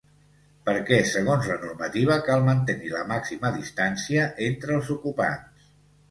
Perquè, segons la normativa, cal mantenir la màxima distància entre els ocupants.